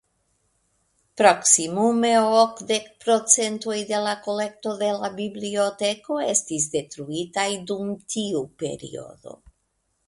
Proksimume okdek procentoj de la kolekto de la biblioteko estis detruitaj dum tiu periodo.